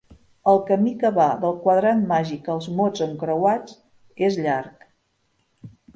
El camí que va del quadrat màgic als mots encreuats és llarg.